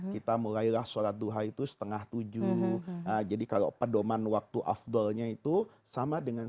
kita mulailah sholat duha itu setengah tujuh jadi kalau pedoman waktu afdolnya itu sama dengan